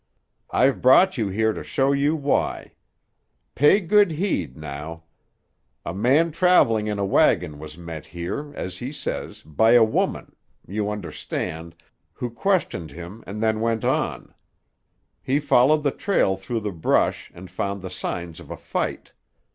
"I've brought you here to show you why. Pay good heed, now. A man traveling in a wagon was met here, as he says, by a woman—you understand—who questioned him and then went on. He followed the trail through the brush and found the signs of a fight.